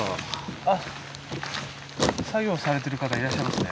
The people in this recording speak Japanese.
あっ作業されてる方いらっしゃいますね。